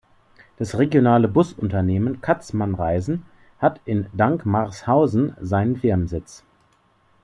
Das regionale Busunternehmen Katzmann-Reisen hat in Dankmarshausen seinen Firmensitz.